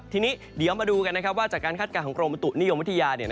ทีนี้เดี๋ยวมาดูกันว่าจากการคาดการณ์ของกรมบุตุนิยมวิทยา